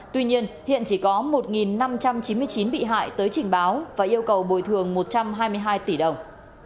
tuy nhiên hiện chỉ có một năm trăm chín mươi chín bị hại tới trình báo và yêu cầu bồi thường một trăm hai mươi hai tỷ đồng